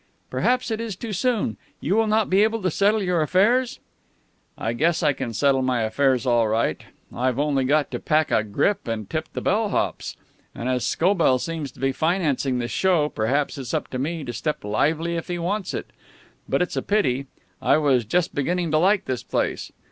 "Perhaps it is too soon. You will not be able to settle your affairs?" "I guess I can settle my affairs all right. I've only got to pack a grip and tip the bell hops. And as Scobell seems to be financing this show, perhaps it's up to me to step lively if he wants it. But it's a pity. I was just beginning to like this place.